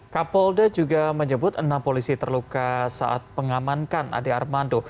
kapolda juga menyebut enam polisi terluka saat pengamankan ade armando